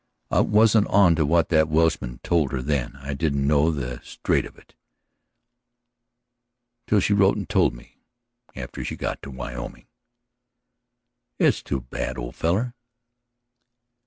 I wasn't onto what that Welshman told her then; I didn't know the straight of it till she wrote and told me after she got to Wyoming." "It was too bad, old feller."